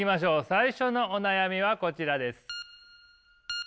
最初のお悩みはこちらです。